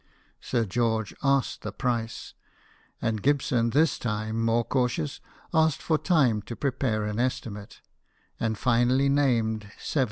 Sir George asked the price, and Gibson, this time more cautious, asked for time to prepare an estimate, and finally named ^700.